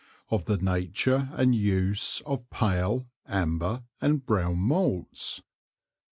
Of the Nature and Use of Pale, Amber and Brown Malts.